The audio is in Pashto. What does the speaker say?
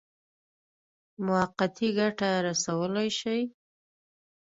موقتي ګټه رسولای شي.